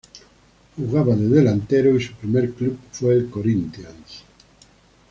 Jugaba de delantero y su primer club fue el Corinthians.